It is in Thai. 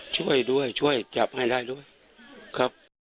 ช่วยด้วยช่วยจับให้ได้ด้วยครับ